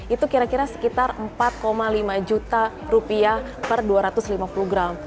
itu kira kira sekitar empat lima juta rupiah per dua ratus lima puluh gram